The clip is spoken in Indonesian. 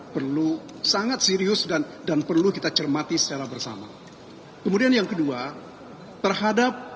perlu sangat serius dan dan perlu kita cermati secara bersama kemudian yang kedua terhadap